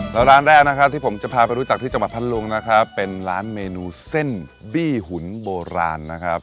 แล้วร้านแรกนะครับที่ผมจะพาไปรู้จักที่จังหวัดพัทธลุงนะครับเป็นร้านเมนูเส้นบี้หุ่นโบราณนะครับ